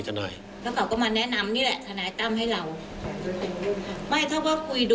จุดยอด